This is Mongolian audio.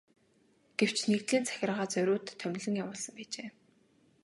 Гэвч нэгдлийн захиргаа зориуд томилон явуулсан байжээ.